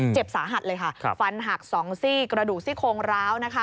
เจ็บสาหัดฟันหักสองซี่กระดูกซี่โค้งเร้า